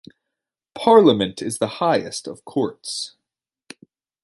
Parliament is the highest of Courts.